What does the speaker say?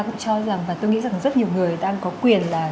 cũng cho rằng và tôi nghĩ rằng rất nhiều người đang có quyền là